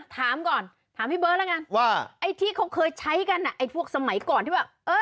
ถามก่อนถามพี่เบิร์ตแล้วกันว่าไอ้ที่เขาเคยใช้กันไอ้พวกสมัยก่อนที่แบบเออ